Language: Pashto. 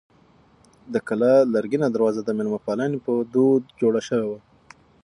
د کلا لرګینه دروازه د مېلمه پالنې په دود جوړه شوې وه.